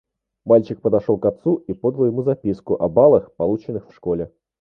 Мальчик подошел к отцу и подал ему записку о баллах, полученных в школе.